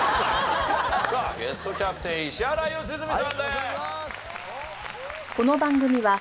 さあゲストキャプテン石原良純さんです。